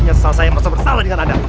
nyesel saya masih bersalah dengan anda